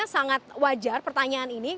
sangat wajar pertanyaan ini